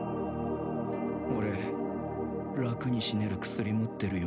俺楽に死ねる薬持ってるよ